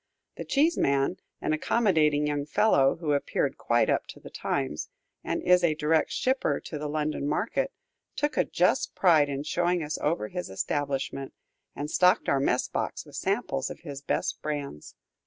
The cheese man, an accommodating young fellow who appeared quite up to the times, and is a direct shipper to the London market, took a just pride in showing us over his establishment, and stocked our mess box with samples of his best brands.